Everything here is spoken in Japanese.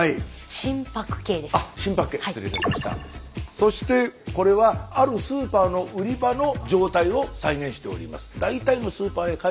そしてこれはあるスーパーの売り場の状態を再現しております。